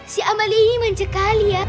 si amal ini mencekali ya